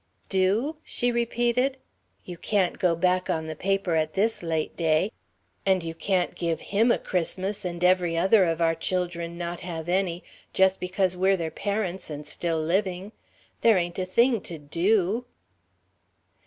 "Do?" she repeated. "You can't go back on the paper at this late day. And you can't give him a Christmas and every other of our children not have any just because we're their parents and still living. There ain't a thing to do."